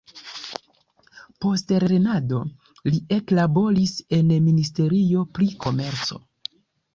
Post lernado li eklaboris en ministerio pri komerco.